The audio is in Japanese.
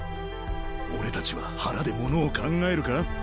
俺たちは腹で物を考えるか？